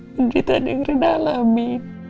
menjuta dengerin alami